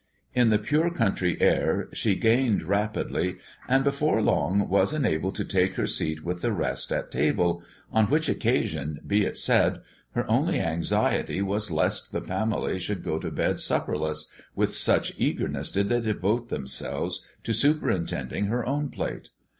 In the pure country air she gained rapidly, and before long was enabled to take her seat with the rest at table, on which occasion, be it said, her only anxiety was lest the family should go to bed supperless, with such eagerness did they devote themselves to superintending her own plate.